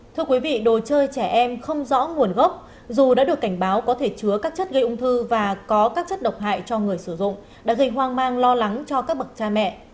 thưa quý vị đồ chơi trẻ em không rõ nguồn gốc dù đã được cảnh báo có thể chứa các chất gây ung thư và có các chất độc hại cho người sử dụng đã gây hoang mang lo lắng cho các bậc cha mẹ